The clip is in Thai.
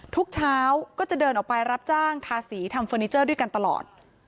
ทุกเช้าก็จะเดินออกไปรับจ้างทาสีทำเฟอร์นิเจอร์ด้วยกันตลอด